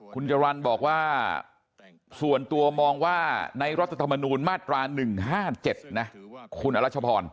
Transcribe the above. คุณจรรย์บอกว่าส่วนตัวมองว่าในรัฐธรรมนูญมาตรา๑๕๗นะคุณอรัชพร